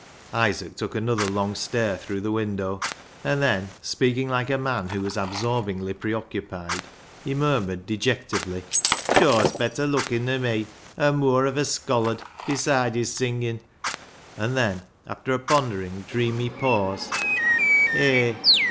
Isaac took another long stare through the window, and then, speaking like a man who was absorbingly preoccupied, he murmured dejectedly —" Joe's bet ter leukin' nor me, an' mooar of a scholard — beside his singin' ;" and then, after a pondering, dreamy pause, " Hay